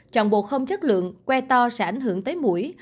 chọn bộ không chất lượng que to sẽ ảnh hưởng tới mũi